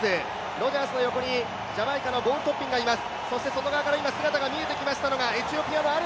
ロジャースの横にジャマイカのゴウルトッピンがいます。